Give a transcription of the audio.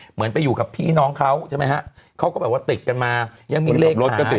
เหมือนไปอยู่กับพี่น้องเขาใช่ไหมฮะเขาก็แบบว่าติดกันมายังมีเลขรถก็ติด